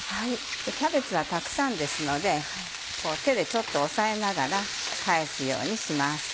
キャベツはたくさんですので手でちょっと押さえながら返すようにします。